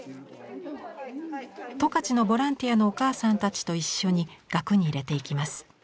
十勝のボランティアのお母さんたちと一緒に額に入れていきます。